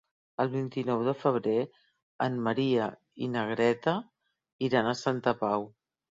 El vint-i-nou de febrer en Maria i na Greta iran a Santa Pau.